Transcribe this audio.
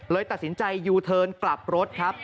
ตัดสินใจยูเทิร์นกลับรถครับ